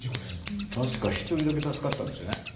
確か１人だけ助かったんですよね。